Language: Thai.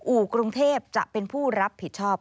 อู่กรุงเทพจะเป็นผู้รับผิดชอบ